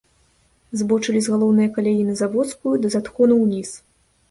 Збочылі з галоўнае каляі на заводскую ды з адхону ўніз.